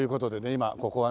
今ここはね